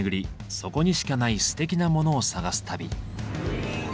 そこにしかないすてきなモノを探す旅。